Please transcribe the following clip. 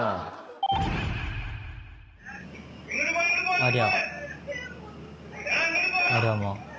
ありゃありゃま。